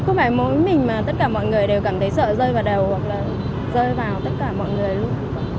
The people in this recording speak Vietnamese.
không phải mỗi mình mà tất cả mọi người đều cảm thấy sợ rơi vào đều hoặc là rơi vào tất cả mọi người luôn